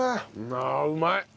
ああうまい！